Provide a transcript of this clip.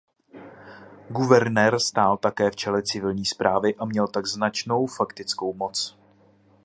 Guvernér stál také v čele civilní správy a měl tak značnou faktickou moc.